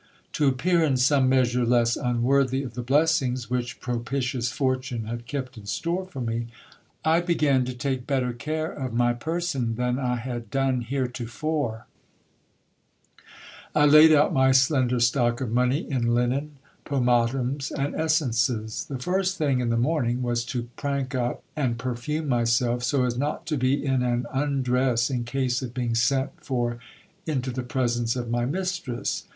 To appear in some measure less unworthy of the blessings, which propitious fortune had kept in store for me, I began to take better care of my GIL BIAS'S PLEASING ANTICIPATIONS. 113 person than I had done heretofore. I laid out my slender stock of money in linen, pomatums, and essences. The first thing in the morning was to prank up and perfume myself, so as not to be in an undress in case of being sent for into the presence of my mistress.